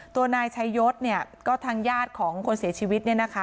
ตัวนายชายศเนี่ยก็ทางญาติของคนเสียชีวิตเนี่ยนะคะ